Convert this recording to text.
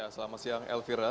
selamat siang elvira